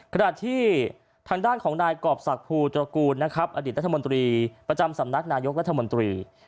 ขณะที่ทางด้านของนายกรอบศักดิภูตระกูลนะครับอดีตรัฐมนตรีประจำสำนักนายกรัฐมนตรี